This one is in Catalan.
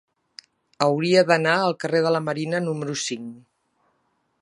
Hauria d'anar al carrer de la Marina número cinc.